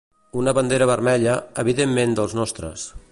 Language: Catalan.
Una bandera vermella, evidentment dels nostres.